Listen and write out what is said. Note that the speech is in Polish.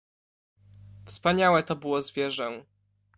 "Wspaniałe to było zwierzę!"